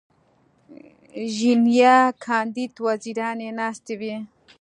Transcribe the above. ژینینه کاندید وزیرانې ناستې وې.